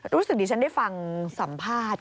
รู้สึกดิฉันได้ฟังสัมภาษณ์